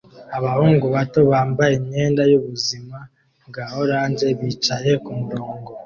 Abahungu bato bambaye imyenda yubuzima bwa orange bicaye kumurongo